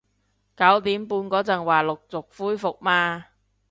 九點半嗰陣話陸續恢復嘛